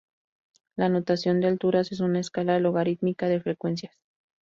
La notación de alturas es una escala logarítmica de frecuencias.